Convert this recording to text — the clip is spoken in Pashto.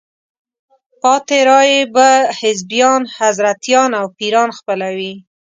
پاتې رایې به حزبیان، حضرتیان او پیران خپلوي.